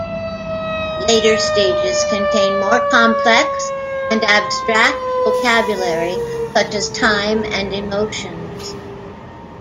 Later stages contain more complex and abstract vocabulary such as time and emotions.